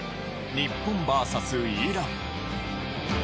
日本ＶＳイラン。